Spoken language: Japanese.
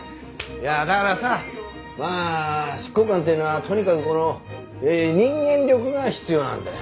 いやだからさまあ執行官というのはとにかくこの人間力が必要なんだよ。